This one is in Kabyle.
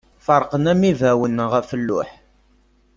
Ferqen am ibawen ɣef luḥ.